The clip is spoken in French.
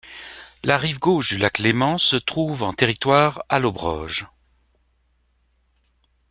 La rive gauche du lac Léman se trouve en territoire allobroge.